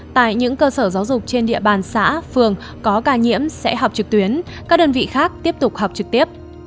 tại những cơ sở giáo dục trên địa bàn xã phường có ca nhiễm sẽ học trực tuyến các đơn vị khác tiếp tục học trực tiếp